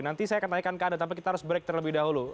nanti saya akan tanyakan ke anda tapi kita harus break terlebih dahulu